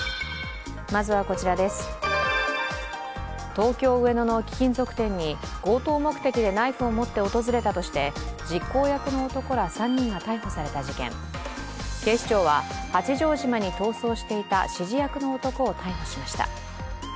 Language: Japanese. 東京・上野の貴金属店に強盗目的でナイフを持って訪れたとして実行役の男ら３人が逮捕された事件、警視庁は八丈島に逃走していた指示役の男を逮捕しました。